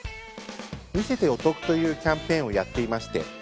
見せてお得というキャンペーンをやっていまして。